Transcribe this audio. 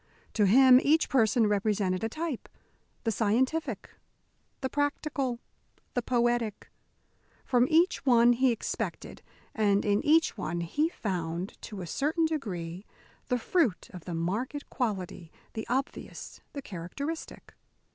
To him each person represented a type the scientific, the practical, the poetic. From each one he expected, and in each one he found, to a certain degree, the fruit of the marked quality, the obvious, the characteristic.